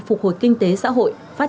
phục hồi kinh tế xã hội phát triển du lịch